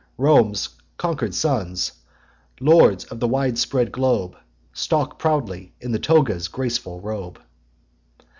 Rome's conquering sons, lords of the wide spread globe, Stalk proudly in the toga's graceful robe.